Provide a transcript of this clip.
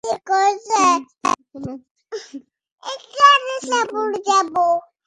তখন তিনি স্ত্রীকে তালাক দিয়ে দিলেন এবং জুরহুম গোত্রের অন্য এক মহিলাকে বিবাহ করেন।